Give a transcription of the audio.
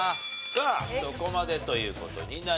さあそこまでという事になります。